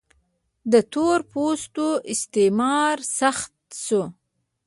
د تور پوستو استثمار سخت شو.